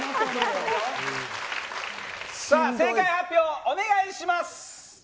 正解発表、お願いします！